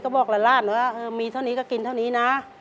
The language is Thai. ก็บอกลาดลาดนะอย่างนี้ก็กินแค่นี้นะ